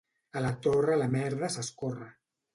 A la Torre la merda s'escorre.